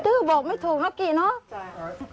ื้อบอกไม่ถูกนะกี่เนอะ